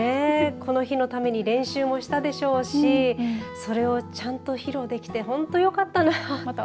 この日のために練習もしたでしょうしそれをちゃんと披露できて本当よかったなと。